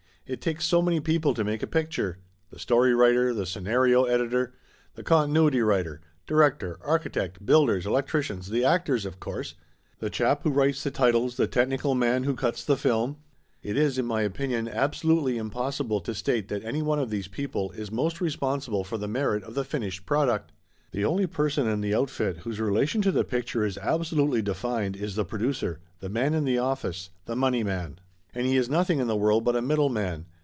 It takes so many people to make a picture. The story writer, the scenario editor, the continuity writer, direc tor, architect, builders, electricians, the actors of course. The chap who writes the titles, the technical man who cuts the film. It is, in my opinion, absolutely impos sible to state that any one of these people is most re sponsible for the merit of the finished product. The only person in the outfit whose relation to the picture is absolutely defined is the producer the man in the office the money man. And he is nothing in the world but a middleman.